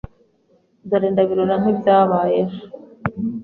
Dore ndabirora nkibyabaye ejo